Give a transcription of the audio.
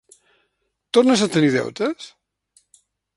Tornes a tenir deutes?